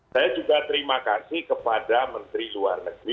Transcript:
saya juga terima kasih kepada menteri luar negeri